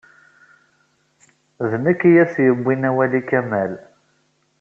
D nekk ay as-yebbin awal i Kamal.